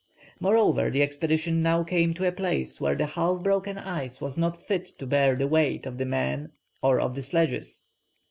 Moreover, the expedition now came to a place where the half broken ice was not fit to bear the weight of the men or of the sledges.